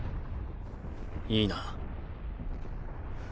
いいな？